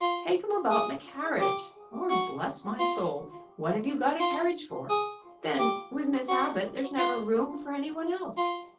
"Take 'em about in the carriage. Lord bless my soul! what have you got a carriage for?" "Then, with Miss Abbott, there's never room for any one else."